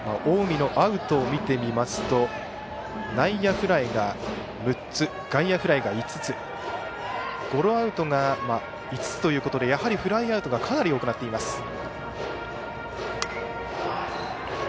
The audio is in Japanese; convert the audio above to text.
近江のアウトを見てみますと内野フライが６つ外野フライが５つゴロアウトが５つということでやはりフライアウトがかなり多くなっています。